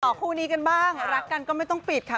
คู่นี้กันบ้างรักกันก็ไม่ต้องปิดค่ะ